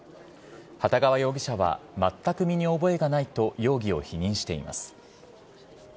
幟川容疑者は全く身に覚えがないと容疑を否認しています。